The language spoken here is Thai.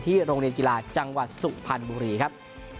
ที่โรงเรียนกีฬาจังหวัดสุภัณฑ์บุรีครับ